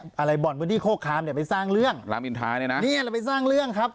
อะไรบ่อนพื้นที่โคคามเนี่ยไปสร้างเรื่องรามอินทาเนี่ยนะเนี่ยเราไปสร้างเรื่องครับ